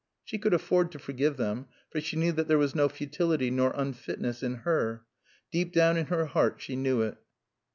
She could afford to forgive them, for she knew that there was no futility nor unfitness in her. Deep down in her heart she knew it.